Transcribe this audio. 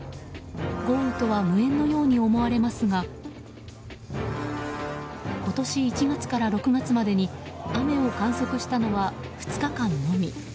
豪雨とは無縁のように思われますが今年１月から６月までに雨を観測したのは２日間のみ。